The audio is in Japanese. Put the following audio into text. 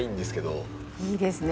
いいですね。